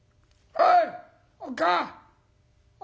おい！